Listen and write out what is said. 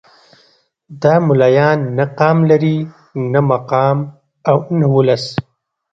دا ملايان نه قام لري نه مقام او نه ولس.